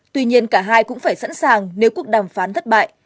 tuy nhiên cả hai cũng phải sẵn sàng nếu cuộc đàm phán thất bại